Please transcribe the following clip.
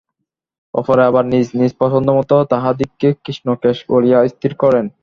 অপরে আবার নিজ নিজ পছন্দ-মত তাঁহাদিগকে কৃষ্ণকেশ বলিয়া স্থির করেন।